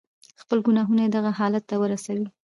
خپل گناهونه ئې دغه حالت ته ورسوي.